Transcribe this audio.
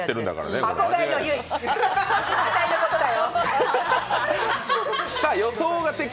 あたいのことだよ。